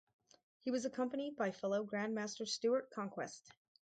He was accompanied by fellow Grandmaster Stuart Conquest.